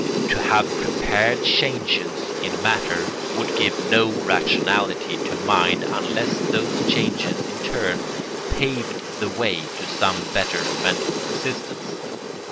To have prepared changes in matter would give no rationality to mind unless those changes in turn paved the way to some better mental existence.